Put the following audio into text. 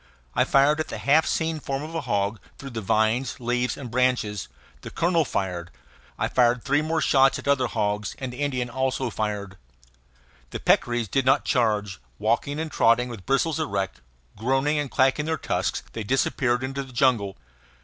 I fired at the half seen form of a hog, through the vines, leaves, and branches; the colonel fired; I fired three more shots at other hogs; and the Indian also fired. The peccaries did not charge; walking and trotting, with bristles erect, groaning and clacking their tusks, they disappeared into the jungle.